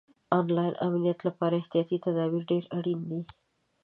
آنلاین امنیت لپاره احتیاطي تدابیر ډېر اړین دي.